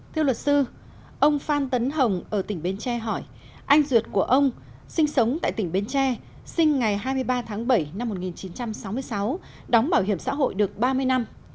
thưa luật sư ông phan tấn hồng ở tỉnh bến tre hỏi anh ruột của ông sinh sống tại tỉnh bến tre sinh ngày hai mươi ba tháng bảy năm một nghìn chín trăm sáu mươi sáu đóng bảo hiểm xã hội được ba mươi năm